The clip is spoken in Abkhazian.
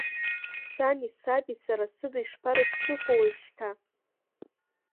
Сани саби сара сыда ишԥарыԥсыхәоу уажәшьҭа.